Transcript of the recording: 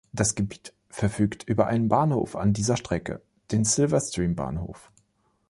Das Gebiet verfügt über einen Bahnhof an dieser Strecke, den Silverstream-Bahnhof.